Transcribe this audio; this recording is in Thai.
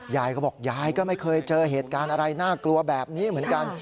ยายก็บอกยายก็ไม่เคยเจอเหตุการณ์อะไรน่ากลัวแบบนี้เหมือนกัน